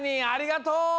ありがとう！